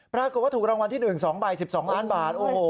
ปรากฏว่าถูกรางวัลที่๑๒ใบ๑๒ล้านบาท